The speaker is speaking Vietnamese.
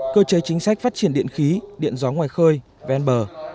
cơ chế chính sách phát triển điện khí điện gió ngoài khơi ven bờ